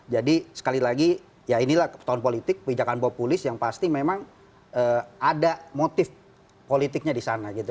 jadi sekali lagi ya inilah tahun politik kebijakan populis yang pasti memang ada motif politiknya di sana gitu